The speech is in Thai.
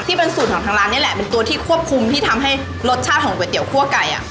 ที่เป็นสูตรของทางร้านนี่แหละเป็นตัวที่ควบคุมที่ทำให้รสชาติของก๋วยเตี๋คั่วไก่อ่ะ